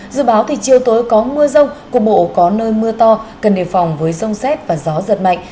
dự báo thì chiều tối có mưa rông cục bộ có nơi mưa to cần đề phòng với rông xét và gió giật mạnh